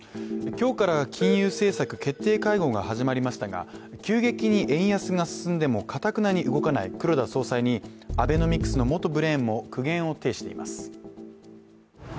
今日から金融政策決定会合が始まりましたが、急激に円安が進んでもかたくなに動かない黒田総裁にアベノミクスの元ブレーンも苦言を呈しています。